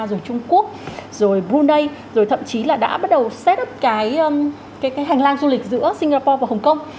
rồi trung quốc rồi brunei rồi thậm chí là đã bắt đầu xét đứt cái hành lang du lịch giữa singapore và hồng kông